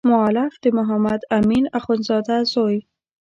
مؤلف د محمد امین اخندزاده زوی.